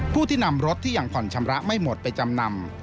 ผู้ที่นำรถที่ยังผ่อนชำระไม่หมดไปจำนำ